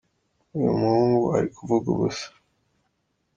uyumuhungu arikuvuga ubusa